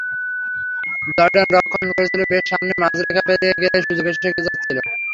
Jordan রক্ষণ করছিল বেশ সামনে, মাঝরেখা পেরিয়ে গেলেই সুযোগ এসে যাচ্ছিল।